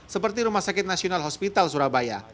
seperti rumah sakit nasional hospital surabaya